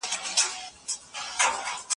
مور توضیح کوله.